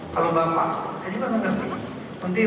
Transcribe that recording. kalau bapak saya juga enggak berani